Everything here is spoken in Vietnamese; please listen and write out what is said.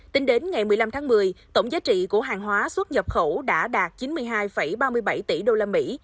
tính đến ngày một mươi năm tháng một mươi tổng giá trị của hàng hóa xuất nhập khẩu đã đạt chín mươi hai ba mươi bảy tỷ đô la mỹ